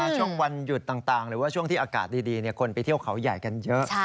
ช่วงวันหยุดต่างหรือว่าช่วงที่อากาศดีคนไปเที่ยวเขาใหญ่กันเยอะ